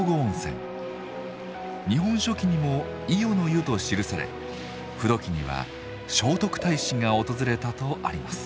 「日本書紀」にも「伊予の湯」と記され「風土記」には聖徳太子が訪れたとあります。